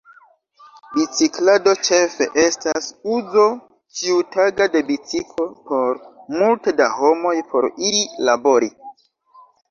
Biciklado ĉefe estas uzo ĉiutaga de biciklo por multe da homoj, por iri labori.